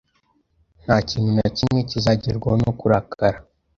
Nta kintu na kimwe kizagerwaho no kurakara.